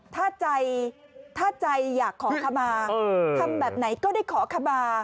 เอาล่ะถ้าใจอยากขอคำมาทำแบบไหนก็ได้ขอคำมา